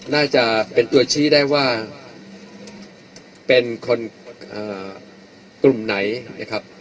น่าจะเป็นตัวชี้ได้ว่าเป็นคนกลุ่มไหนนะครับ